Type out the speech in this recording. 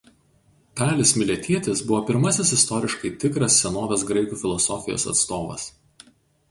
Talis Miletietis buvo pirmasis istoriškai tikras senovės graikų filosofijos atstovas.